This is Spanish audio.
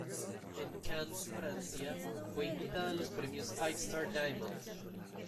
En Cannes, Francia fue invitada a los premios "Five Star Diamond".